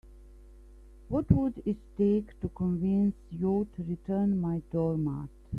What would it take to convince you to return my doormat?